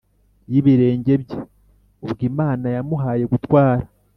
y ibirenge bye Ubwo Imana yamuhaye gutwara